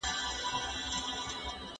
ځینې پېښې تر واقعي اندازې لویې ښودل کېږي.